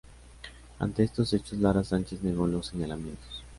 Ante estos hechos Lara sanchez negó los señalamientos.